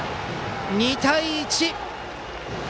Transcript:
２対１！